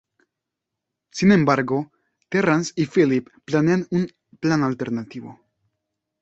Sin embargo, Terrance y Phillip planean un plan alternativo.